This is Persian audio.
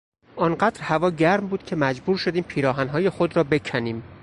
آنقدر هوا گرم بود که مجبور شدیم پیراهنهای خود را بکنیم.